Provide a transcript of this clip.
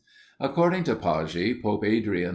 According to Pagi, Pope Adrian IV.